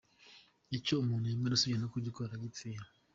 Icyo umuntu yemera usibye no kugikora aragipfira.